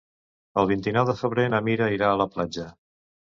El vint-i-nou de febrer na Mira irà a la platja.